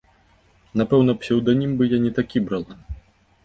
Напэўна, псеўданім бы я не такі брала.